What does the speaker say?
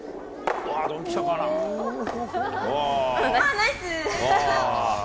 ナイスー！